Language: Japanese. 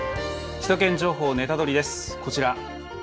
「首都圏情報ネタドリ！」